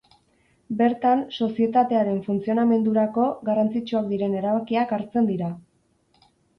Bertan, sozietatearen funtzionamendurako garrantzitsuak diren erabakiak hartzen dira.